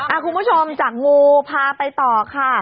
คุณผู้ชมจากงูพาไปต่อค่ะ